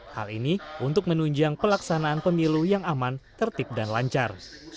hal ini untuk menunjang pelaksanaan pemilu yang aman tertib dan lancar